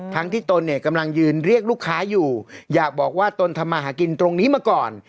ทั้งที่ตนเนี่ยกำลังยืนเรียกลูกค้าอยู่อยากบอกว่าตนทำมาหากินตรงนี้มาก่อน